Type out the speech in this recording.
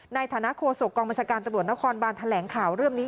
ในฐานะโฆษกองบัญชาการตำรวจนครบานแถลงข่าวเรื่องนี้